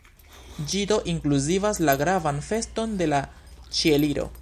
Ĝi do inkluzivas la gravan feston de la Ĉieliro.